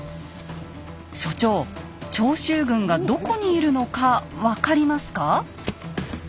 所長長州軍がどこにいるのか分かりますか？